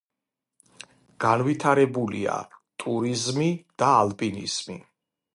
განვითარებულია ტურიზმი და ალპინიზმი.